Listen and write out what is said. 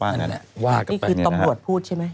นี่คือตำรวจพูดใช่ไหม